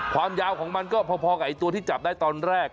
ความยาวของมันก็พอกับตัวที่จับได้ตอนแรก